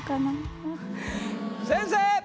先生。